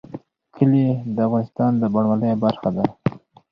کلي د افغانستان د بڼوالۍ برخه ده.